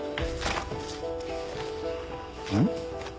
うん？